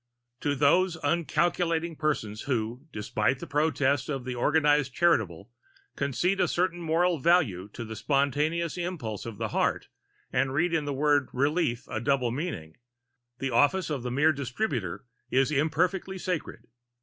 To those uncalculating persons who, despite the protests of the organized charitable, concede a certain moral value to the spontaneous impulses of the heart and read in the word "relief" a double meaning, the office of the mere distributor is imperfectly sacred.